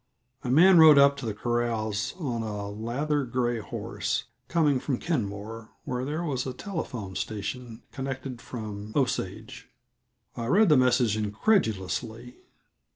A man rode up to the corrals on a lather gray horse, coming from Kenmore, where was a telephone station connected from Osage. I read the message incredulously.